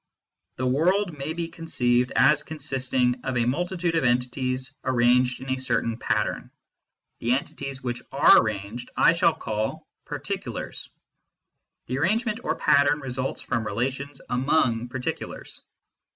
The world may be conceived as consisting of a multi tude of entities arranged in a certain pattern. The entities which are arranged I shall call " particulars." The arrangement or pattern results from relations among particulars.